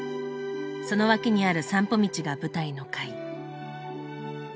その脇にある散歩道が舞台の回。